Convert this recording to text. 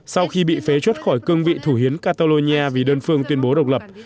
sau khi bị phế chuất khỏi cương vị thủ hiến catalonia vì đơn phương tuyên bố độc lập